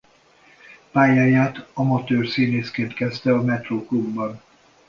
Pályáját amatőr színészként kezdte a Metró klubban.